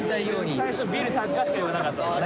最初「ビル高っ！」しか言わなかったですね。